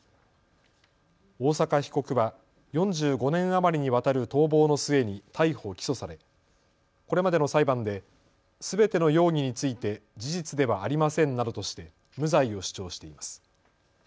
大坂被告は４５年余りにわたる逃亡の末に逮捕・起訴されこれまでの裁判ですべての容疑について事実ではありませんなどとして無罪を主張しています。